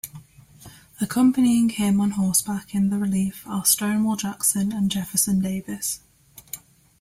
Accompanying him on horseback in the relief are Stonewall Jackson and Jefferson Davis.